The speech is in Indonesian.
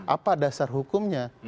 apa dasar hukumnya